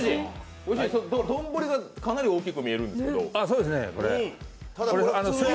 丼がかなり大きく見えるんですけど？